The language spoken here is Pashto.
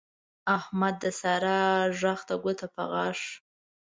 احمد د سارا غږ ته ګوته په غاښ